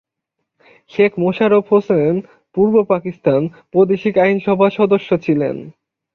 শেখ মোশাররফ হোসেন পূর্ব পাকিস্তান প্রাদেশিক আইনসভার সদস্য ছিলেন।